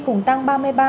cùng tăng ba mươi ba năm